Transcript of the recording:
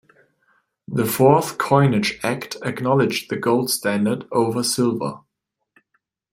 The Fourth Coinage Act acknowledged the gold standard over silver.